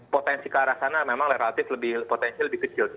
potensi ke arah sana memang relatif lebih potensi lebih kecil